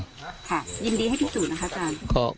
ค่ะยินดีให้ที่สุดนะคะสน